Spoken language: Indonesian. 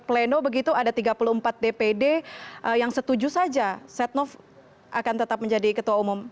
pleno begitu ada tiga puluh empat dpd yang setuju saja setnov akan tetap menjadi ketua umum